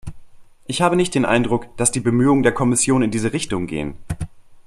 Ich habe nicht den Eindruck, dass die Bemühungen der Kommission in diese Richtung gehen.